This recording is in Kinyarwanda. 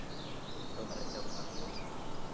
tom aracyabona rwose